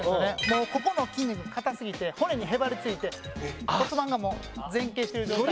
もうここの筋肉硬すぎて骨にへばりついて骨盤がもう前傾してる状態。